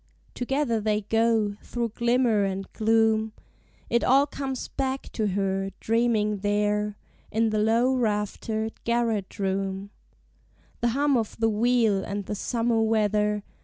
Together they go, through glimmer and gloom: It all comes back to her, dreaming there In the low raftered garret room; The hum of the wheel, and the summer weather.